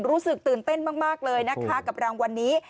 รู้สึกตื่นเต้นมากเลยนะคะกับรางวัลนี้